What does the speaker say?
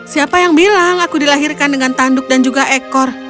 siapa yang bilang aku dilahirkan dengan tanduk dan juga ekor